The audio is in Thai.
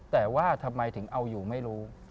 แต่ว่าทำไมถึงเอาอยู่ไม่รู้